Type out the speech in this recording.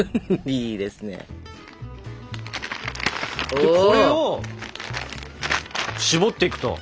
これを絞っていくと。